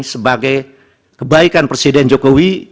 sebagai kebaikan presiden jokowi